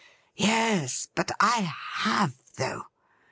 ' Yes, but I have, though.